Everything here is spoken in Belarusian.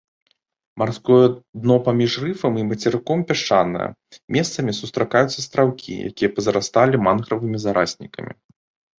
Марское дно паміж рыфам і мацерыком пясчанае, месцамі сустракаюцца астраўкі, якія пазарасталі мангравымі зараснікамі.